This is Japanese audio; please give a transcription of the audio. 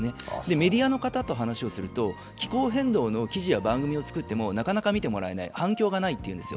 メディアの方と話をすると気候変動に関しての番組を作ってもなかなか見てもらえない反響がないと言うんですよ。